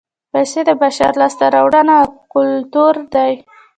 پیسې د بشر لاسته راوړنه او کولتور دی